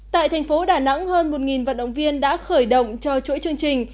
tại thành phố đà nẵng hơn một vận động viên đã khởi động cho chuỗi chương trình